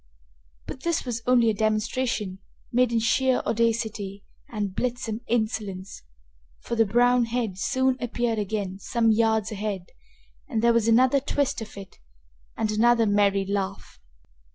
But this was only a demonstration, made in sheer audacity and blithesome insolence, for the brown head soon appeared again some yards ahead and there was another twist of it and another merry laugh.